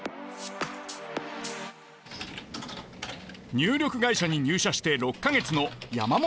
入力会社に入社して６か月の山本太郎さん。